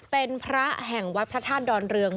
เป็นพระแห่งวัดพระธาตุดอนเรือง